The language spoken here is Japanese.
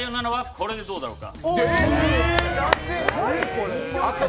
これでどうだろうか。